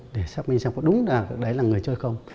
để xác minh xem có đúng là người chơi không